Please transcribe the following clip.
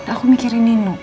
aku mikirkan nino pak